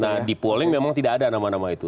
nah di polling memang tidak ada nama nama itu